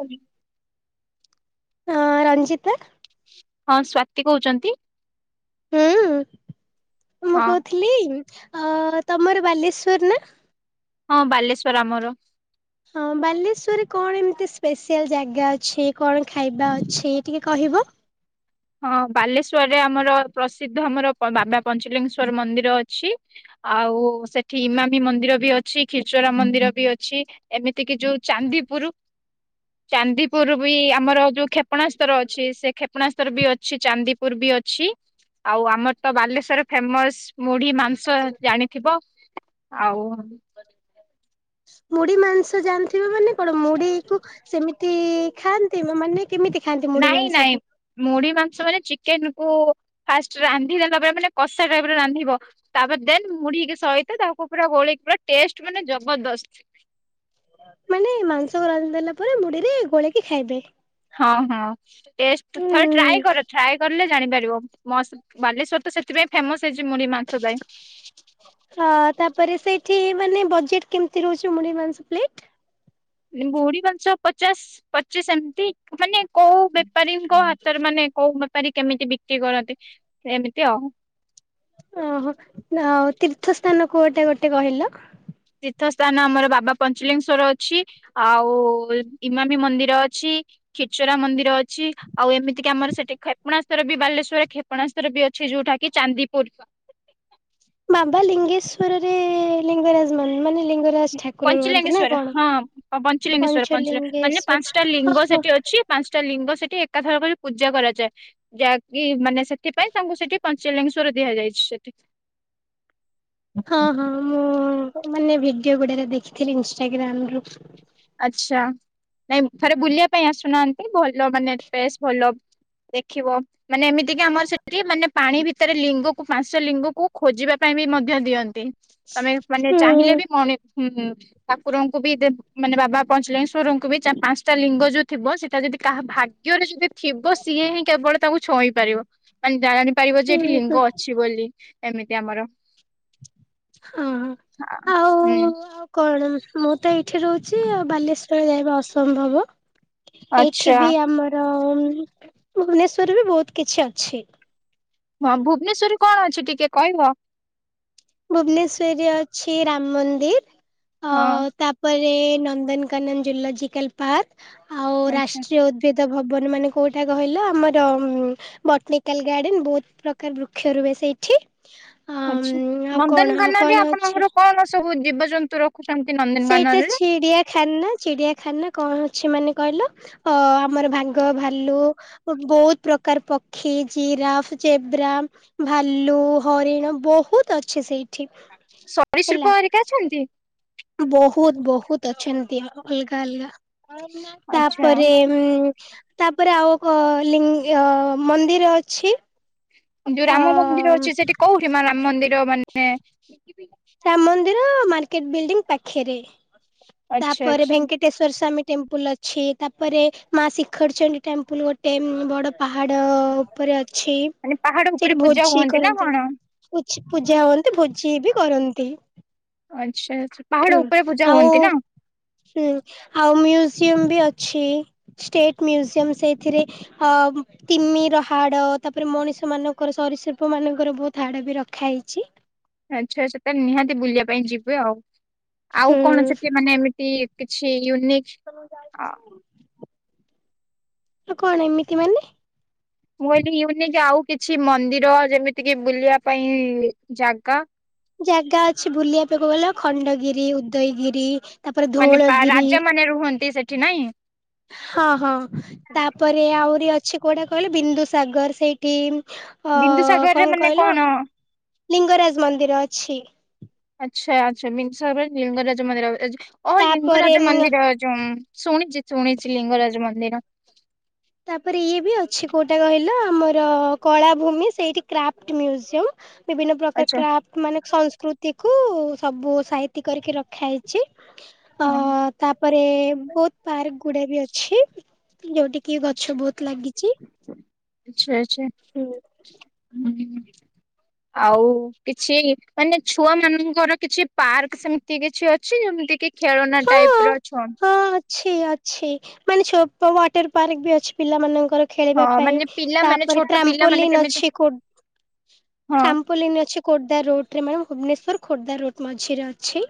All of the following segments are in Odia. ହଉଚି। ଅଁ ରଞ୍ଜିତା ହଁ ସ୍ୱାତି କହୁଛନ୍ତି? ହୁଁ ମୁଁ ହଁ କହୁଥିଲି ଅ ତମର ବାଲେଶ୍ଵର ନା? ହଁ ବାଲେଶ୍ଵର ଆମର। ହଁ ବାଲେଶ୍ଵରରେ କଣ ଏମିତି ସ୍ପେଶିଆଲ ଜାଗା ଅଛି କଣ ଖାଇବା ଅଛି ଟିକେ କହିବ। ହଁ ବାଲେଶ୍ଵରରେ ଆମର ପ୍ରସିଦ୍ଧ ଆମର ବାବା ପଞ୍ଚଲିଙ୍ଗେଶ୍ଵର ମନ୍ଦିର ଅଛି। ଆଉ ସେଠି ଇମାମି ମନ୍ଦିର ବି ଅଛି ଖିରଚୋରା ମନ୍ଦିର ବି ଅଛି। ଏମିତି କିି ଯୋଉ ଚାନ୍ଦିପୁରୁ। ଚାନ୍ଦିପୁର ବି ଆମର ଯୋଉ କ୍ଷେପଣାସ୍ତର ଅଛି ସେ କ୍ଷେପଣାସ୍ତ ତାର ବି ଅଛି ଚାନ୍ଦିପୁର ବି ଅଛି ଆଉ ଆମର ତ ବାଲେଶ୍ଵର ଫେମସ୍ ମୁଢି ମାସ୍‌ ସାର୍‌ ଜାଣିଥିବ ଆଉ। ମୁଢି ମାଂସ ଜାଣିଥିବ ମାନେ କଣ ମୁଢିକୁୁ ସେମିତି ଖାଆନ୍ତି ମାନେ କେମିତି ଖାନ୍ତି। ନାଇଁ ନାଇଁ। ମୁଢି ମାଂସ ମାନେ ଚିକେନ କୁ ଫାଷ୍ଟ ରାନ୍ଧିବେ ପରେ ମାନେ କଷା ଟାଇପ୍ ର ରାନ୍ଧିବ। ତାପରେ ଦେନ୍ ମୁଡିକି ସହିତ ତାକୁ ପୁରା ଗୋଳଇକି ପୁରା ଟେଷ୍ଟ ମାନେ ଜବରଦସ୍ତ। ମାନେ ମାଂସ ରାନ୍ଧିଦେଲା ପରେ ମୁଢିରେ ଗୋଳେଇକି ଖାଇବେ। ହଁ ହଁ ଟେଷ୍ଟ ଥରେ ଟ୍ରାଏ ହୁଁ କର ଟ୍ରାଏ କଲେ ଜାଣିପାରିବ। ମସ୍ତ ବାଲେଶ୍ୱର ତ ସେଥିପାଇଁ ଫେମସ୍ ହେଇଛି ମୁଢିମାଂସ ପାଇଁ। ହଁ ତାପରେ ସେଇଠି ମାନେ ବଜେଟ୍ କେମିତି ରହୁଛି ମୁଡି ମାଂସ ପ୍ଲେଟ। ବୁଡି ମାଂସ ପଚାଶ୍ ପଚିଶ୍ ଏମିତି ମାନେ କୋଉ ବେପାରୀଙ୍କ ହାତରେ ମାନେ କୋଉ ବେପାରୀ କେମିତି ବିକ୍ରି କରନ୍ତି ଏମିତି ଆଉ। ଓହୋ ଯାଆ ହଉ ତୀର୍ଥ ସ୍ଥାନ କୁ ଗୋଟେ ଗୋଟେ କହିଲ। ତୀର୍ଥ ସ୍ଥାନ ଆମର ବାବା ପଞ୍ଚଲିଙ୍ଗେଶ୍ଵର ଅଛି। ଆଉ ଇମାମି ମନ୍ଦିର ଅଛି। ଖିଚରା ମନ୍ଦିର ଅଛି ଆଉ ଏମିତି କି ଆମର ସେଠି କ୍ଷେପଣାସ୍ତର ବି ବାଲେଶ୍ଵର କ୍ଷେପ୍ କ୍ଷେପଣାସ୍ତର ବି ଅଛି ଯୋଉଟା କିି ଚାନ୍ଦିପୁର। ବାବା ଲିଙ୍ଗେଶ୍ଵରରେ ଲିଙ୍ଗରାଜମାନ୍‌ ମାନେ ଲିଙ୍ଗର ପଞ୍ଚଲିଙ୍ଗେଶ୍ଵର ହଁ ପଞ୍ଚଲିଙ୍ଗେଶ୍ଵର ପଞ୍ଚ ମାନେ ପଞ୍ଚଲିଙ୍ଗେଶ୍ଵର ପାଞ୍ଚଟା ହଁ ଲିଙ୍ଗ ହଁ ସେଠି ଅଛି। ପାଞ୍ଚଟା ଲିଙ୍ଗ ସେଠି ଏକାଥରକରେ ପୂଜା କରାଯାଏ ଯାହାକି ମାନେ ସେଥିପାଇଁ ତାଙ୍କୁ ସେଠି ପଞ୍ଚଲିଙ୍ଗେଶ୍ଵର ଦିଆଯାଇଛି ସେଠିକ୍ ହଁ ହଁ ମୁଁ ମାନେ ଭିଡିଓ ଗୁଡାକ ଦେଖିଥିଲି ଇନ୍‌ଷ୍ଟାଗ୍ରାମ ରୁ। ଆଛା ନାଇଁ ଥରେ ବୁଲିବା ପାଇଁ ଆସୁନାହାନ୍ତି ଭଲ ମାନେ ବେଶ୍ ଭଲ। ଦେଖିବ। ମାନେ ଏମିତିକି ଆମର ସେଠି ମାନେ ପାଣି ଭିତେରେ ଲିଙ୍ଗକୁ ପାଂଶଟା ଲିଙ୍ଗକୁ ଖୋଜିବା ପାଇଁ ବି ମଧ୍ୟ ଦିଅନ୍ତି। ତମେ ମାନେ ହୁଁ ଚାହିଁଲେ ବି ମଣି ହୁଁ ଠାକୁରଙ୍କୁ ବି ଦେବୁ। ମାନେ ବାବା ପଞ୍ଚଲିଙ୍ଗେଶ୍ଵରଙ୍କୁ ବି ଚାର୍ ପାଂଶଟା ଲିଙ୍ଗ ଯୋଉ ଥିବ ସେଟା ଯଦି କାହା ଭାଗ୍ୟରେ ଯଦି। ଥିବ ସିଏ ହିଁ କେବଳ। ତାକୁ ଛୁଇଁ ପାରିବ ମାନେ ଜାଣି ପାରିବ ଯେ ହୁଁ ଏଠି ହୁଁ ଲିଙ୍ଗ ଅଛି ବୋଲି ଏମିତି ଆମର। ହଁ ହଁ ଆଉ ହୁଁ ଆଉ। କଣ ମୁଁ ତ ଏଇଠି ରହୁଚି ଆଉ ବାଲେଶ୍ଵରରେ ଯାଇବା ଅସମ୍ଭବ। ଏଇଠି ଆଚ୍ଛା ବି ଆମର ଭୁବନେଶ୍ଵରରେ ବି ବହୁତ୍ କିଛି ଅଛି। ହଁ ଭୁବନେଶ୍ୱରରେ କଣ ଅଛି ଟିକେ କହିବ? ଭୁବନେଶ୍ୱରେ ଅଛି ରାମ ମନ୍ଦିର୍ ହଁ ଆଉ ତା ପରେ ନନ୍ଦନକାନନ ଜୁଲୋଜିକାଲ ପାର୍କ ଆଉ ଆଚ୍ଛା ରାଷ୍ଟ୍ରୀୟ ଉ ସେ ତା ଭବନ ମାନେ କୋଉଟା କହିଲ ଆମର। ବଟନିକାଲ ଗାର୍ଡେନ ବହୁତ୍ ପ୍ରକାର୍ ବୃକ୍ଷ ରୁହେ ସେଇଠି। ଆଛା ଆଉ କଣ ଆଉ ନନ୍ଦନକାନ ରେ କଣ ଅଛି ଆପଣମାନଙ୍କର କଣ ସବୁ ଜୀବଜନ୍ତୁ ରଖୁଛନ୍ତି ନ ସେଇଟା ଚିଡିଆଖାନା ଚିଡିଆଖାନା କଣ ଅଛି ମାନେ କହିଲ? ଅ ଆମର ଭାଙ୍ଗ ଭାଲୁ। ବହୁତ୍ ପ୍ରକାର ପକ୍ଷୀ ଜିରାଫ୍ ଜେବ୍ରା। ଭାଲୁ ହରିଣ ବହୁତ୍ ଅଛି ସେଇ ସରୀ ଶ୍ରୁପ ହରିକା ଅଛନ୍ତି? ବହୁତ୍ ବହୁତ୍ ଅଛନ୍ତି ଅ ଅଲ୍ଗା ଅଲ୍ଗା ଆଚ୍ଛା। ତାପରେ। ଉଁ ତାପରେ ଆଉ କ ଲିଙ୍ଗ୍ ଅ ମନ୍ଦିର ଅଛି। ଯୋଉ ଅ ରାମ ମନ୍ଦିର ଅଛି ସେଠି କୋଉଠି ମା ରାମ ମନ୍ଦିର ମାନେ। ରାମ ମନ୍ଦିର ମାର୍କେଟ ବିଲ୍ଡିଂ ପାଖେରେ ଆଚ୍ଛା ତାପରେ ଆଚ୍ଛା। ଭେଙ୍କେଟ୍ ଟେଶ୍ୱରୀ ସ୍ୱାମୀ ଟେମ୍ପୁଲ୍ ଅଛି ତାପରେ ମା ଶିଖରଚଣ୍ଡୀ ଟେମ୍ପୁଲୁ ଗୋଟେ ବଡ଼ ପାହାଡ଼। ଉପରେ ଅଛି। ମାନେ ପାହାଡ ଉପରେ ପୂଜା ହୁଅନ୍ତି ନା କଣ? ପୂଛି ପୂଜା ହୁଅନ୍ତି ଭୋଜି ବି କରନ୍ତି। ଆଚ୍ଛା ଆଚ୍ଛା ପାହାଡ ଉପରେ ପୂଜା ଆଉ ହୁଅନ୍ତି ନା? ହୁଁ ଆଉ ମ୍ୟୁଜିୟମ ବି ଅଛି ଷ୍ଟେଟ ମ୍ୟୁଜିୟମ ସେଇଥିରେ। ହମ୍ ତିମିର ହାଡ ତାପରେ ମଣିଷ ମାନଙ୍କର ସରୀସୃପ ମାନଙ୍କର ବହୁତ୍ ହାଡ ବି ରଖା ହେଇଚି। ଆଚ୍ଛା ଆଚ୍ଛା ତାହେଲେ ନିହାତି ବୁଲିବା ପାଇଁ ଯିବେ ଆଉ ଆଉ କଣ ହୁଁ। ସେଠି ମାନେ ଏମିତି। କିଛି ୟୁନିକ୍। ଆ କଣ ଏମିତି ମାନେ। ମୁଁ କହିଲିକି ୟୁନିକ୍ ଯାଉ କିଛି ମନ୍ଦିର ଯେମିତିକିି ବୁଲିବା ପାଇଁ ଜାଗା। ଜାଗା ଅଛି ବୁଲିବା ପାଇଁକୁ କହିଲ ଖଣ୍ଡଗିରି ଉଦୟଗିରି। ତାପରେ ମାନେ ପାରା ଧଉଳଗିରି ରାଜା ମାନେ ରୁହନ୍ତି ସେଠି ନାଇଁ? ହଁ ହଁ ତାପରେ ଆହୁରି ଅଛି କୋଉଟା କହିଲ ବିନ୍ଦୁସାଗର ସେଇ ଟିମ୍ ଅ ବିନ୍ଦୁସାଗରରେ କଣ ମାନେ କହିଲ ଲିଙ୍ଗରାଜ ମନ୍ଦିର ଅଛି। ଆଚ୍ଛା ଆଚ୍ଛା ବିଂଶରେ ଲିଙ୍ଗରାଜ ମନ୍ଦିର ଏଜ ଓହୋ ତାପରେ ଲିଙ୍ଗରାଜ ଉଁ ମନ୍ଦିର ଚମ୍ ଶୁଣିଚି ଶୁଣିଚି ଲିଙ୍ଗରାଜ ମନ୍ଦିର। ତାପରେ ଇଏ ବି ଅଛି କୋଉଟା କହିଲ ଆମର କଳାଭୂମି ସେଇଠି କ୍ରାଫ୍ଟ ମ୍ୟୁଜିୟମ। ବିଭିନ୍ନ ପ୍ରକାର ଆଚ୍ଛା କ୍ରାପ ମାନେ ସଂସ୍କୃତିକୁ ସବୁ ସାଇତି କରିକି ରଖା ହେଇଚି। ଅ ହଁ ତାପରେ ବହୁତ୍ ପାର୍କ ଗୁଡା ବି ଅଛି ଯୋଉଠି। କି ଗଛ ବହୁତ ଲାଗିଚି। ଆଛା ଆଛା, ହୁଁ। ଆଉ କିଛି ମାନେ ଛୁଆ ମାନଙ୍କର କିଛି ପାର୍କ ସେମିତି କିଛି ଅଛି? ଯେମିତି କି ଖେଳନା ହଁ ଟାଇପର ଅଛ ହଁ ଅଛି ଅଛି ମାନେ ଛୋଟ ୱାଟର ପାର୍କ ବି ଅଛି ପିଲା ମାନଙ୍କର- ହଁ ଖେଳିବା ପାଇଁ, ମାନେ ପିଲାମାନେ ତାପରେ ଛୋଟ ପିଲାମାନେ ଟ୍ରାମ୍ପୋୋଲିନ୍ କେମିତି ଅଛି ହଁ ଟ୍ରାମ୍ପୋଲିନ୍ ଅଛି Khordha route ma'am, Bhubaneswar Khordha route ମଝିରେ ଅଛି।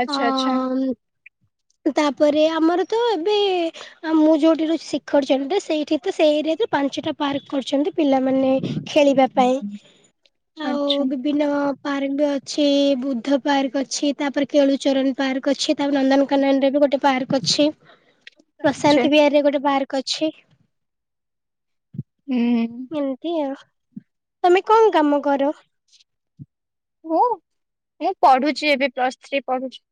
ଆଚ୍ଛା ଆଚ୍ଛା ହଁ ତାପରେ ଆମର ତ ଏବେ ଆଉ ମୁଁ ଯୋଉଠି ରହୁଛି ଶିଖରଚଣ୍ଡୀରେ, ସେଇଠି ତ ସେଇ ଏରିଆରେ ପାଞ୍ଚଟା ପାର୍କ କରିଛନ୍ତି ପିଲାମାନେ ଖେଳିବା ପାଇଁ। ଆଉ ଆଚ୍ଛା। ବିଭିନ୍ନ ପାର୍କ ବି ଅଛି, ବୁଦ୍ଧ ପାର୍କ ଅଛି, ତାପରେ କେଳୁ ଚରଣ ପାର୍କ ଅଛି, ତାପରେ ନନ୍ଦନକାନନରେ ବି ଗୋଟେ ପାର୍କ ଅଛି। [unintelligible] ଆଚ୍ଛା ପ୍ରଶାନ୍ତିବିହାରି ରେ ଗୋଟେ ପାର୍କ ଅଛି। ହୁଁ। ଏତି ଆଉ। ତମେ କଣ କାମ କର [unintelligible] ମୁଁ, ମୁଁ ପଢୁଛି ଏବେ ପ୍ଲସଥ୍ରୀ ପଢୁଛି।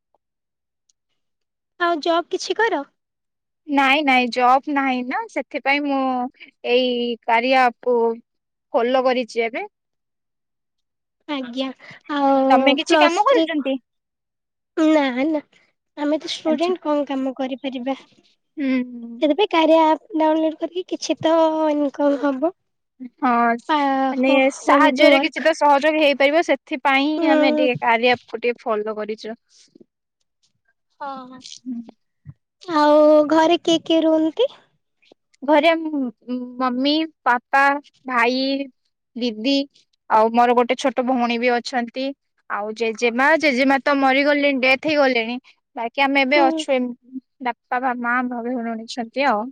ଆଉ ଜବ୍ କିଛି କର? ନାଇଁ ନାଇଁ ଜବ ନାହିଁ ନା, ସେଥିପାଇଁ ମୁଁ ଏଇ କାରିଆ ଆପକୁ ଫୋଲ କରିଛି ଏବେ। ଆଜ୍ଞା, ଆଉ ତମେ କିଛି କାମ ପ୍ଲସଥ୍ରି କରୁଛନ୍ତି କୁ ନା ନା ଆମେ ତ ଆଚ୍ଛା ଷ୍ଟୁଡେଣ୍ଟ କଣ କାମ କରିପାରିବା? ହୁଁ ହୁଁ। ଏବେତ କରିଆ ଆପ ଡାଉନଲୋଡ କରିକି କିଛି ତ ଇନକମ୍ ହବ। ହଁ ଆ ମାନେ ହୋ ହୋମ ଟୁ ସାହାଯ୍ୟରେ କିଛି ୱାର୍କ ତ ସହଯୋଗ ହେଇପାରିବ, ସେ ଏଥିପାଇଁ ଉଁ ହିଁ ଆମେ ଟିକେ କାରିଆକୁ ଟିକେ ଫଲୋ କରିଛୁ। ଓହୋ ଆଉ ଘରେ କିଏ କିଏ ରୁହନ୍ତି? ଘରେ ମମି, ପାପା, ଭାଇ। ଦିଦି ଆଉ ମୋର ଗୋଟେ ଛୋଟ ଭଉଣୀ ବି ଅଛନ୍ତି। ଆଉ ଜେଜେମା ଜେଜେମା ତ ମରିଗଲେଣି ଡେଥ ହେଇଗଲେଣି। କି ଆମେ ଏବେ ହୁଁ ଅଛୁ, ଏ ବାପା ବା ମା ଭବେ ରହୁଛନ୍ତି ଆଉ।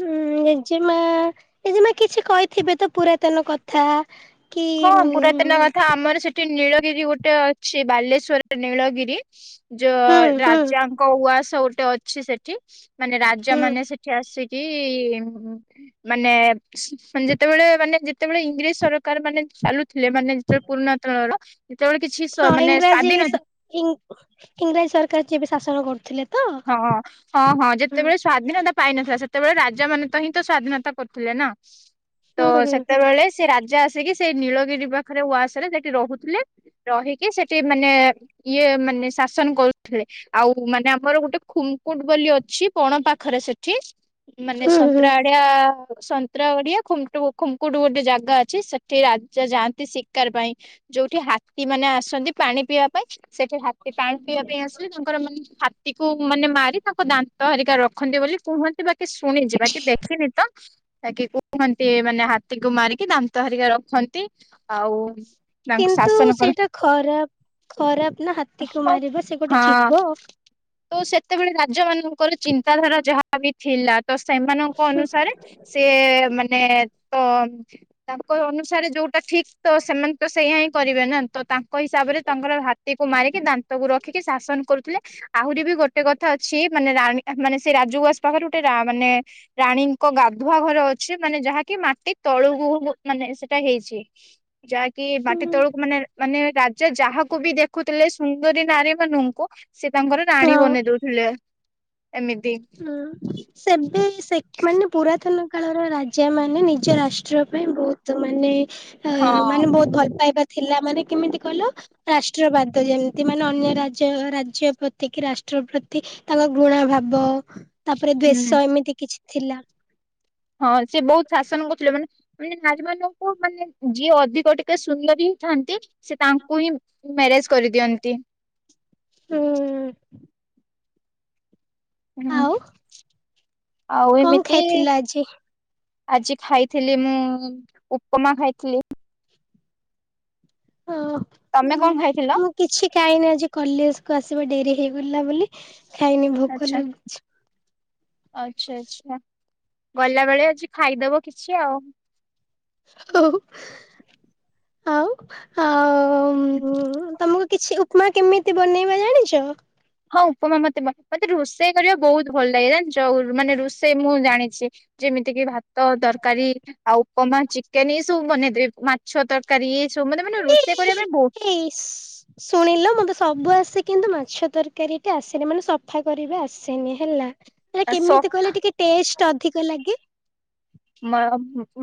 ହୁଁ ଜେଜେମା, ଜେଜେଜମା କିଛି କହିଥିବେ ତ ପୁରାତନ କଥା। କଥା କି ମୁ ଗୋଟେ ନୀଳଗିରି ଗୋଟେ ଅଛି ବାଲେଶ୍ଵର ନୀଳଗିରି। ଯୋ ହୁଁ ହୁଁ ରାଜାଙ୍କ ଉଆସ ଗୋଟେ ଅଛି ସେଠି ମାନେ ରାଜା ମାନେ ସେଠି ଆସି କି ମାନେ ଯେତେବେଳେ ମାନେ ଯେତେବେଳେ ଇଂରେଜ ସରକାର ମାନେ ଚାଲୁଥିଲେ ମାନେ ଯେତେବେଳେ ପୁରୁଣା ତଳର ଯେତେବେଳେ କିଛି ମାନେ ସ୍ୱାଧୀନ ଇ ଇଂରାଜୀ ସରକାର ଯେବେ ଶାସନ କରୁଥିଲେ। ତ ହଁ ହଁ ହଁ ହୁଁ ଯେତେବେଳେ ସ୍ଵାଧୀନତା ପାଇନଥିଲା ସେତେବେଳେ ରାଜା ମାନେ ତ ହିଁ ତ ସ୍ଵାଧୀନତା କରୁଥିଲେ ନା। ତ ହୁଁ ହୁଁ ହୁଁ ସେତେବେଳେ ସେ ରାଜା ଆସିକି ସେଇ ନୀଳଗିରି ପାଖରେ ଉଆସରେ ସେଠି ରହୁଥିଲେ। ରହିକି ସେଠି ମାନେ ଇଏ ମାନେ ଶାସନ କରୁଥିଲେ। ଆଉ ମାନେ ଆମର ଗୋ ଗୋଟେ ଖୁମକୁଟ ବୋଲି ଅଛି ପଣ ପାଖରେ ସେଠି ମାନେ ହୁଁ ହୁଁ ସନ୍ତ୍ରାଟ ଆ ସନ୍ତ୍ରା ଓଡିଆ ଖ ଖୁମକୁଟ ଗୋଟେ ଜାଗା ଅଛି ସେଠି ରାଜା ଯାଆନ୍ତି। ଦରକାର ପାଇଁ ଯୋଉଠି ହାତୀ ମାନେ ଆସନ୍ତି ପାଣି ପିଇବା ପାଇଁ ସେଠି ହାତୀ ପାଣି ପିଇବା ପାଇଁ ଆସିବେ ତାଙ୍କର ମାନେ ହାତୀ କୁ ମାନେ ମାରି ତାଙ୍କ ଦାନ୍ତ ହେରିକା ରଖନ୍ତି ବୋଲି କୁହନ୍ତି ବାକି ଶୁଣିଛି ବାକି ଦେଖିନି ତ। ଏ କି କୁହନ୍ତି ମାନେ ହାତୀକୁ ମାରିକି ଦାନ୍ତ ହେରିକା ରଖନ୍ତି ଆଉ। ତାଙ୍କୁ କିନ୍ତୁ ଶାସନ କର ସେଇଟା ଖରାପ ଖରାପ ନା ହାତୀକୁ ମାରିବ ସେ ଗୋଟେ ହଁ। ଯିବ। ତ ସେତେବେଳେ ରାଜ୍ୟ ମାନଙ୍କର ଚିନ୍ତାଧାରା ଯାହାବି ଥିଲା ତ ସେମାନଙ୍କ ଅନୁସାରେ ସିଏ ମାନେ ତ ତାଙ୍କ ଅନୁସାରେ ଯୋଉଟା ଠିକ୍ ତ ସେମାନେ ତ ସେଇଆ ହିଁ କରିବେ ନା ତ ତାଙ୍କ କ ହିସାବରେ ତାଙ୍କର ହାତୀକୁ ମାରିକି ଦାନ୍ତ କୁ ରଖିକି ଶାସନ କରୁଥିଲେ ଆହୁରି ବି ଗୋଟେ କଥା ଅଛି। ମାନେ ରାଣୀ ମାନେ ସେ ରାଜଉଆସ ପାଖରେ ଗୋଟେ ରା ମାନେ ରାଣୀଙ୍କ ଗାଧୁଆ ଘର ଅଛି ମାନେ ଯାହାକି ମାଟି ତଳୁକୁ ମାନେ ସେଟା ହେଇଚି। ଯାହାକି ହୁଁ ମାଟି ତଳକୁ ମାନେ ମାନେ ରା ଯେ ଯାହାକୁ ବି ଦେଖୁଥିଲେ ସୁନ୍ଦରୀ ନାରୀ ମାନଙ୍କୁ ସେ ତାଙ୍କର ରାଣୀ ହଁ ବନେଇ ଦଉଥିଲେ। ଏମିତି। ହୁଁ। ସେବେ ସେ ମାନେ ପୁରାତନ କାଳର ରାଜା ମାନେ ନିଜ ରାଷ୍ଟ୍ର ପାଇଁ ବହୁତ ମାନେ ହେ ହଁ ମାନେ ବହୁତ ଭଲ ପାଇବା ଥିଲା ମାନେ କେମିତି କହିଲ। ରାଷ୍ଟ୍ରବାଦ ଯେମିତି ମାନେ ଅନ୍ୟ ରାଜ୍ୟ ରାଜ୍ୟ ପ୍ରତି କି ରାଷ୍ଟ୍ର ପ୍ରତି ତାଙ୍କ ଘୃଣା ଭାବ ତାପରେ ହୁଁ ଦେଶ ଏମିତି କିଛି ଥିଲା। ହଁ ସେ ବହୁତ ଶାସନ କରୁଥିଲେ ମାନେ ମାନେ ନାରୀ ମାନଙ୍କୁ ମାନେ ଯିଏ ଅଧିକ ଟିକେ ସୁନ୍ଦର ହି ଥାନ୍ତି। ସେ ତାଙ୍କୁ ହିଁ ମ୍ୟାରେଜ କରିଦିଅନ୍ତି। ହୁଁ। ହୁଁ ଆଉ ଆଉ କଣ ଏମିତି। ଖାଇଥିଲ ଆଜି ଆଜି ଖାଇଥିଲି ମୁଁ ଉପମା ଖାଇଥିଲି। ହୁଁ ତମେ କଣ ଖାଇଥିଲ ମୁଁ କିଛି କାଇନି ଆଜି। କଲେଜ କୁ ଆସିବା ଡେରି ହେଇଗଲା ବୋଲି ଖାଇନି ଭୋକ ଆଚ୍ଛା ଲାଗୁଛି। ଆଚ୍ଛା ଆଚ୍ଛା ଗଲାବେଳେ ଆଜି ଖାଇଦବ କିଛି ଆଉ। ହୋଉ ଆଉ ଆ ଓ ତମକୁ କିଛି ଉପମା କେମିତି ବନେଇବା ଜାଣିଚ? ହଁ ଉପମା ମତେ ମତେ ରୋଷେଇ କରିବା ବହୁତ ଭଲ ଲାଗେ ଜାଣିଛ ମାନେ ରୋଷେଇ ମୁଁ ଜାଣିଚି। ଯେମିତି କିି ଭାତ ତରକାରୀ ଆଉ ଉପମା ଚିକେନ ଏଇ ସବୁ ବନେଇଦେବି ମା ମାଛ ତରକାରୀ ଏ ସବୁ ମାନେ ମାନେ ରୋଷେଇ କରିବା ପାଇଁ ବୋ ଇସ୍‌। ଶୁଣିଲ ମତେ ସବୁ ଆସେ କିନ୍ତୁ ମାଛ ତରକାରୀ ଟା ଆସେନି ମାନେ ସଫା କରି ଆସେନି ହେଲା। ସେଟା ସ କେମିତି କଲେ ଟିକେ ଟେଷ୍ଟ ଅଧିକ ଲାଗେ।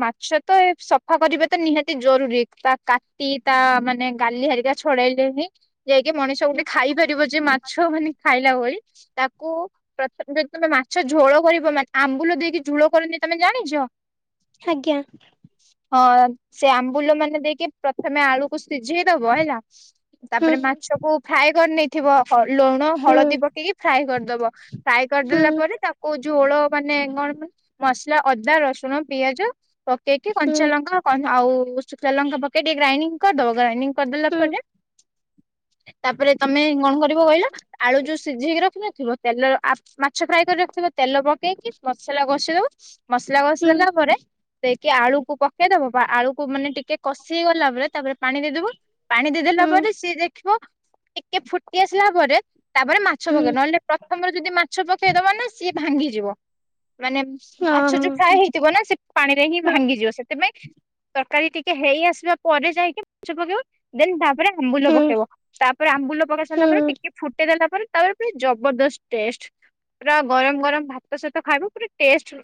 ମାଛ ତ ସଫା କରିବା ତ ନିହାତି ଜରୁରୀ ତା କା ତି ତା ମାନେ ଗାଲି ହେରିକା ଛଡ଼େଇଲେନି। ଯାଇକି ମଣିଷ ଗୋଟେ ଖାଇ ପାରିବ ଯେ ମାଛ ମାନେ ଖାଇଲା ଭଳି। ତାକୁ ପ୍ରଥମ ଯଦି ତମେ ମାଛ ଝୋଳ କରିବ ଆମ୍ବୁଲ ଦେଇକି ଝୋଳ କରନି ତମେ ଜାଣିଛ। ଆଜ୍ଞା। ହଁ ସେ ଆମ୍ବୁଲ ମାନେ ଦେଇକି ପ୍ରଥମେ ଆଳୁକୁ ସିଝେଇ ଦେବ ହେଲା। ହୁଁ ତାପରେ ମାଛକୁ ଫ୍ରାଏ କରିନେଇଥିବ। ଲୁଣ ହୁଁ ହଳଦୀ ପକେଇକି ଫ୍ରାଏ କରିଦେବ। ଫ୍ରାଏ ହୁଁ କରିଦେଲା ପରେ ତାକୁ କୋଉ ଝୋଳ ମାନେ କଣ ମସଲା ଅଦା, ରସୁଣ, ପିଆଜ ପକ୍ କେଇକି ହୁଁ କଞ୍ଚା ଲଙ୍କା କନ୍ ଆଉ ଶୁଖିଲା ଲଙ୍କା ପକେଇ ଟିକେ ଗ୍ରାଇଣ୍ଡିଙ୍ଗ୍ କରିଦବ। ଗ୍ରାଇଣ୍ଡିଙ୍ଗ୍ କରିଦେଲା ହୁଁ। ପରେ ତାପରେ ତମେ କଣ କରିବ କହିଲ ଆଳୁ ଯୋଉ ସିଝେଇକି ରଖିିନଥିବ ତେଲ ଆପ୍ ମାଛ ଫ୍ରାଏ କରି ରଖିଥିବ ତେଲ ପକେଇକି ମସଲା କଷି ଦବ ମସଲା କଷି ହୁଁ ଦେଲା ପରେ ଦେଇକି ଆଳୁକୁ ପକେଇଦବ ଆଳୁକୁ ମାନେ ଟିକେ କଷି ହେଇଗଲା ପରେ ତାପରେ ପାଣି ଦେଇଦେବ ପାଣି ଦେଇଦେଲା ହୁଁ ପରେ ସିଏ [unintelligible] [unintelligible] ଟିକେ ଫୁଟି ଆସିଲା ପରେ ତାପରେ ମାଛ ହୁଁ ପକେଇ ନହେଲେ ପ୍ର ଥମରୁ ଯଦି ମାଛ ପକେଇଦବ ନା ସିଏ ଭାଙ୍ଗିଯିବ ମାନେ ହଁ ମାଛ ଯୋଉ ଫ୍ରାଏ ହେଇଥି ବନା ସେ ପାଣିରେ ହିଁ ହଁ ଭାଙ୍ଗିଯିବ। ସେଥିପାଇଁ ତରକାରୀ ଟିକେ ହେଇ ଆସିବା ପରେ ଯାଇକି [unintelligible] ପକେଇବ ଦେନ ତାପରେ ଆମ୍ବୁଲ ହୁଁ ପକେଇବ ତାପରେ ଆମ୍ବୁଲ ପକେଇ ସାରିଲା ହୁଁ। ପରେ ଟିକେ ଫୁଟ ଦେଲା ପରେ ତାପରେ ଜବରଦସ୍ତ ଟେଷ୍ଟ। ପୁରା ଗରମ ଗରମ ଭାତ ସହିତ ଖାଇବ ପୁରା ଟେଷ୍ଟ।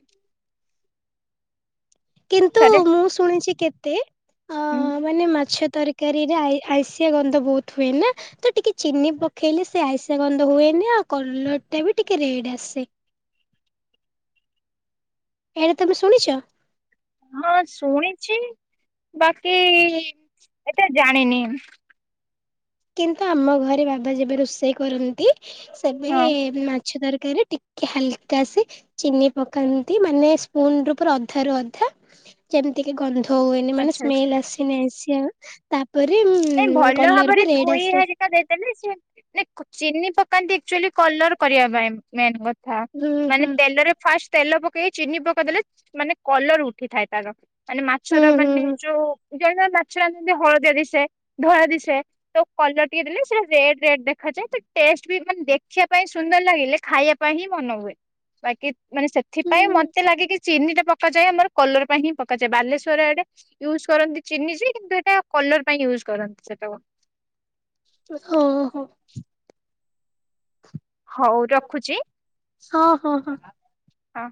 କିନ୍ତୁ ଥରେ ମୁଁ ଶୁଣିଚି କେତେ ଅ ହୁଁ। ମାନେ ମାଛ ତର କାରୀରେ ଆଇ ହାଇଁଷିଆ ଗନ୍ଧ ବହୁତ ହୁଏ ନା। ତ ଟିକେ ଚିନି ପକେଇଲେ ସେ ଆଇଁଷିଆ ଗନ୍ଧ ହୁଏନି ଆଉ କଲର ଟା ବି ଟିକେ ରେଡ୍ ଆସେ। ଏଇଟା ତମେ ଶୁଣିଚ? ହଁ ଶୁଣିଚି ବାକି ଏତେ ଜାଣିନି। କିନ୍ତୁ ଆମ ଘରେ ବାବା ଯେବେ ରୋଷେଇ କରନ୍ତି ସେବେ ହଁ ମା ଛ ତରକାରୀ ଟିକେ ହାଲକା ସେ ଚିନି ପକାନ୍ତି ମାନେ ସ୍ପୁନରୁ ପୁରା ଅଧାରୁ ଅଧା। ଯେମିତିକି ଗନ୍ଧ ହୁଏନି ମାନେ ଆଚ୍ଛା ଆଚ୍ଛା। ସ୍ମେଲ ଆସେନି ଆଇଁଷିଆ ତାପରେ ନାଇଁ ଉଁ ଭଲ କଲର୍ ଭାବରେ ଧୋଇ ହରିକା ଦେଇଦେଲେ ସେ ଚିନି ପକାନ୍ତି ଆକ୍କଚୁଏଲି କଲର୍ କରିବା ପାଇଁ ମେନ କଥା ହୁଁ ମାନେ ହୁଁ ତେଲରେ ଫାଷ୍ଟ ତେଲ ପକେଇକି ଚିନି ପକେଇଦେଲେ ମାନେ କଲର୍ ଉଠିଥାଏ ତାର। ମାନେ ହୁଁ ମାଛର ହୁଁ ମାନେ ହୁଁ। ଯୋଉ ଜଣେ ଜଣେ ମାଛ ରାନ୍ଧନ୍ତି ହଳଦିଆ ଦିଶେ ଧଳା ଦିଶେ ତା କଲର୍ ଟିକେ ଦେଲେ ସେ ରେଡ୍ ରେଡ୍ ଦେଖାଯାଏ ତା ଟେଷ୍ଟ ବି ମାନେ ଦେଖିବା ପାଇଁ ସୁନ୍ଦର ଲାଗିଲେ ଖାଇବା ଖାଇବା ପାଇଁ ହିଁ ମନ ହୁଏ। ବାକି ମାନେ ସେଥିପାଇଁ ହୁଁ। ମତେ ଲାଗେ କି ଚିନିଟା ପକାଯାଏ ଆମର କଲର୍ ପାଇଁ ହିଁ ପକାଯାଏ ବାଲେଶ୍ଵର ଆଡ଼େ ୟୁଜ୍ କରନ୍ତି ଚିନି ଯେ କିନ୍ତୁ ଏଇଟା କଲର୍ ପାଇଁ ୟୁଜ୍ କରନ୍ତି ସେଇଟାକୁ। ଓହୋ! ହଉ ରଖୁଚି। ହଁ ହଁ ହଁ ହଁ